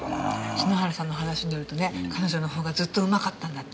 篠原さんの話によるとね彼女の方がずっとうまかったんだって。